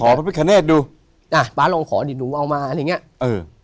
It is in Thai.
ขอพระพิการเนศดูอ่ะป๊าลองขอดิหนูเอามาอะไรเงี้ยเออ